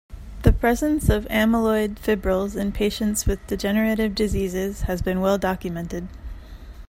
The presence of amyloid fibrils in patients with degenerative diseases has been well documented.